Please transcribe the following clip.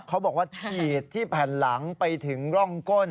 เขาบอกว่าฉีดที่แผ่นหลังไปถึงร่องก้น